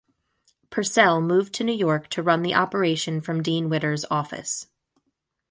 Purcell moved to New York to run the operation from Dean Witter's office.